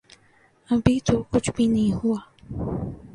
ابھی تو کچھ بھی نہیں ہوا۔